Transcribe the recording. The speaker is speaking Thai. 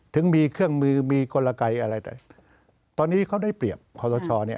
ถึงมีเครื่องมือมีกลไกอะไรแต่ตอนนี้เขาได้เปรียบขอสชเนี่ย